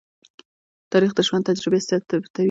تاریخ د ژوند تجربې ثبتوي.